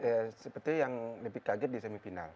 ya seperti yang lebih kaget di semifinal